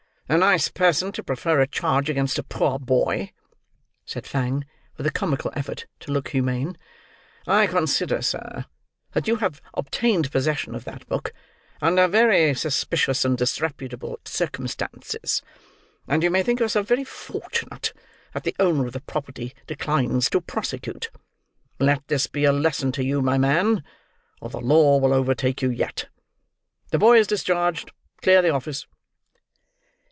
"A nice person to prefer a charge against a poor boy!" said Fang, with a comical effort to look humane. "I consider, sir, that you have obtained possession of that book, under very suspicious and disreputable circumstances; and you may think yourself very fortunate that the owner of the property declines to prosecute. Let this be a lesson to you, my man, or the law will overtake you yet. The boy is discharged. Clear the office!"